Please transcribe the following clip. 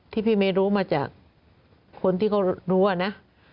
ที่พี่ไม่รู้มาจากคนที่เขารู้อะนะ